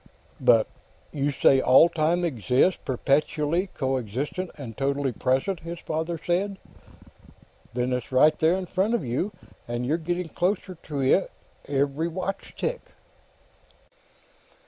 "But You say all time exists, perpetually coexistent and totally present," his father said. "Then it's right there in front of you, and you're getting closer to it, every watch tick."